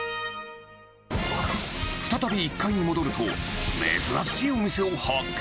再び１階に戻ると、珍しいお店を発見。